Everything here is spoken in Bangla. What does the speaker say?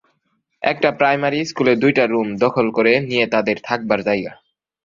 একটা প্রাইমারি স্কুলের দুইটা রুম দখল করে নিয়ে তাদের থাকবার জায়গা।